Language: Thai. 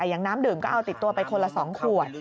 อย่างน้ำดื่มก็เอาติดตัวไปคนละ๒ขวด